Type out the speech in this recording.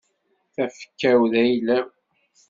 Tafekka-w d ayla-w.